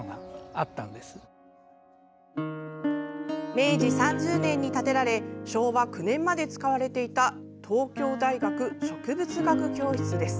明治３０年に建てられ昭和９年まで使われていた東京大学植物学教室です。